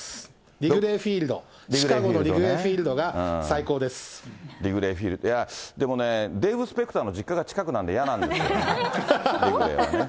リグレーフィールド、シカゴのリリグレーフィールド、でもデーブ・スペクターの実家が近くなんで嫌なんですけどね、リグレーはね。